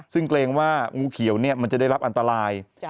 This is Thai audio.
ซึ่งเกรงว่างูเขียวมันจะได้รับอันตราย